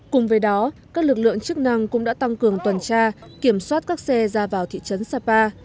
cùng với đó các lực lượng chức năng cũng đã tăng cường tuần tra kiểm soát các xe ra vào thị trấn sapa